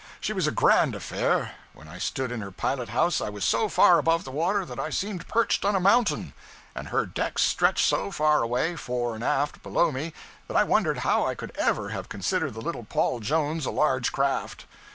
She was a grand affair. When I stood in her pilot house I was so far above the water that I seemed perched on a mountain; and her decks stretched so far away, fore and aft, below me, that I wondered how I could ever have considered the little 'Paul Jones' a large craft.